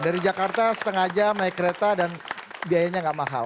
berkarta setengah jam naik kereta dan biayanya gak mahal